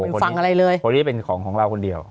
ฟังอะไรเลยพวกนี้เป็นของเราคนเดียว